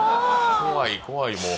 怖い怖いもう